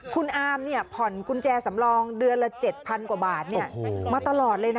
คุณอามผ่อนกุญแจสำรองเดือนละ๗๐๐กว่าบาทมาตลอดเลยนะ